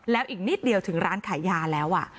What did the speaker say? แล้วอีกนิดเดียวถึงร้านขายยาแล้ว